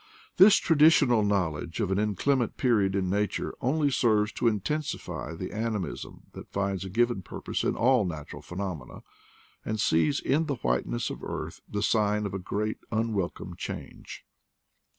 This traditional knowledge of an inclement period in nature only serves to intensify the ani mism that finds a given purpose in all natural phe nomena, and sees in the whiteness of earth the sign of a great unwelcome change.